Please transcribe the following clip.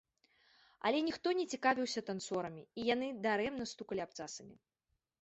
Але ніхто не цікавіўся танцорамі, і яны дарэмна стукалі абцасамі.